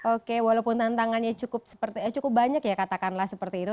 oke walaupun tantangannya cukup banyak ya katakanlah seperti itu